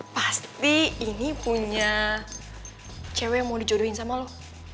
pasti ini punya cewek yang mau dijodohin sama lo